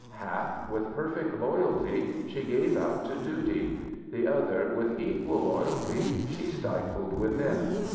Half, with perfect loyalty, she gave out to duty; the other, with equal loyalty, she stifled within.